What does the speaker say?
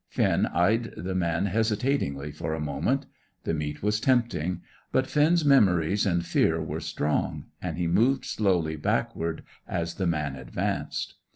Finn eyed the man hesitatingly for a moment. The meat was tempting. But Finn's memories and fear were strong, and he moved slowly backward as the man advanced.